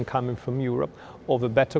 trong lĩnh vực giảm tiền